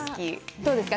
どうですか？